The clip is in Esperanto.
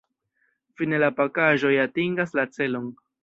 Fine la pakaĵoj atingas la celon.